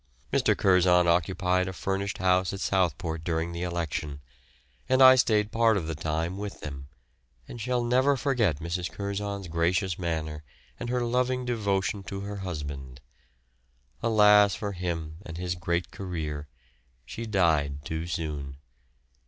Mr. Curzon occupied a furnished house at Southport during the election, and I stayed part of the time with them; and shall never forget Mrs. Curzon's gracious manner and her loving devotion to her husband. Alas for him and his great career, she died too soon.